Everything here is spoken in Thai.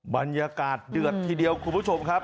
บรรยากาศเดือดทีเดียวคุณผู้ชมครับ